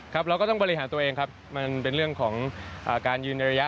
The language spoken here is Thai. ครับเราก็ต้องบริหารตัวเองครับมันเป็นเรื่องของการยืนระยะให้ได้นะครับ